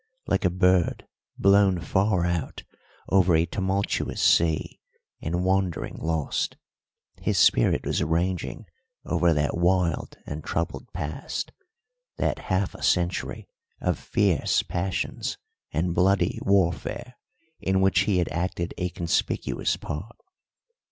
Like a bird blown far out over a tumultuous sea and wandering lost, his spirit was ranging over that wild and troubled past that half a century of fierce passions and bloody warfare in which he had acted a conspicuous part.